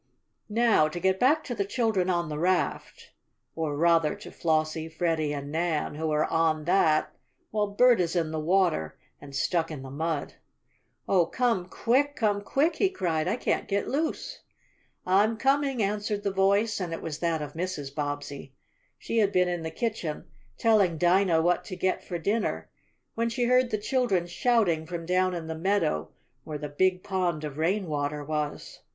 Now to get back to the children on the raft, or rather, to Flossie, Freddie and Nan, who are on that, while Bert is in the water, and stuck in the mud. "Oh, come quick! Come quick!" he cried. "I can't get loose!" "I'm coming!" answered the voice, and it was that of Mrs. Bobbsey. She had been in the kitchen, telling Dinah what to get for dinner, when she heard the children shouting from down in the meadow, where the big pond of rain water was.